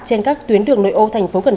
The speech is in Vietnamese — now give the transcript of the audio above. trên các tuyến đường nội ô tp cn